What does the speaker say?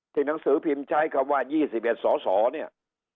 หนังสือพิมพ์ใช้คำว่า๒๑สสเนี่ย